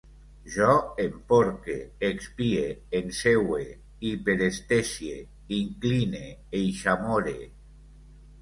Jo emporque, expie, enseue, hiperestesie, incline, eixamore